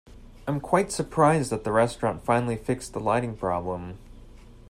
I am quite surprised that the restaurant finally fixed the lighting problem.